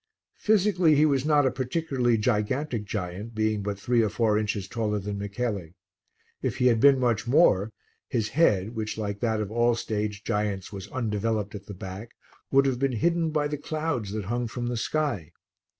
Physically he was not a particularly gigantic giant, being but three or four inches taller than Michele. If he had been much more, his head, which like that of all stage giants was undeveloped at the back, would have been hidden by the clouds that hung from the sky.